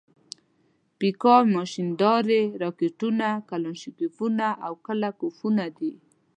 پیکا ماشیندارې، راکېټونه، کلاشینکوفونه او کله کوفونه دي.